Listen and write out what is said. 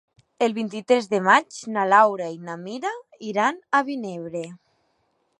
El vint-i-tres de maig na Laura i na Mira iran a Vinebre.